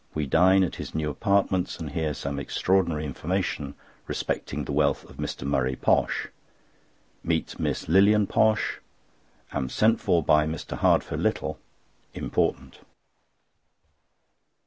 We dine at his new apartments, and hear some extraordinary information respecting the wealth of Mr. Murray Posh. Meet Miss Lilian Posh. Am sent for by Mr. Hardfur Huttle. Important.